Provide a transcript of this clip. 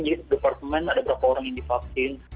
jadi departemen ada berapa orang yang divaksin